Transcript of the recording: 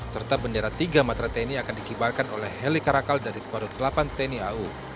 serta bendera tiga matra tni akan dikibarkan oleh heli karakal dari skuadron delapan tni au